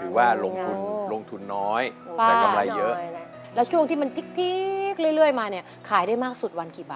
ถือว่าลงทุนลงทุนน้อยได้กำไรเยอะแล้วช่วงที่มันพลิกเรื่อยมาเนี่ยขายได้มากสุดวันกี่บาท